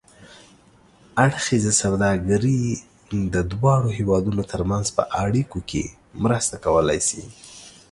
اړخیزه سوداګري د دواړو هېوادونو ترمنځ په اړیکو کې مرسته کولای شي.